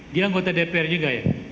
dia anggota dpr juga ya